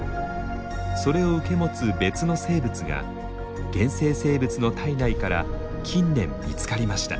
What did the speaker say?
それを受け持つ別の生物が原生生物の体内から近年見つかりました。